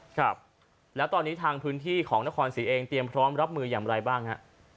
ครับแล้วตอนนี้ทางพื้นที่ของนครศรีเองเตรียมพร้อมรับมืออย่างไรบ้างฮะ